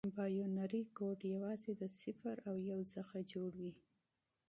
بایونري کوډ یوازې د صفر او یو څخه جوړ دی.